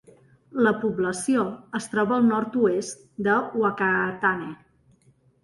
La població es troba al nord-oest de Whakatane.